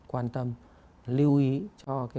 quan tâm lưu ý cho